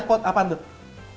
itu pot apaan tuh